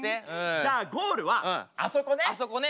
じゃあゴールはあそこね。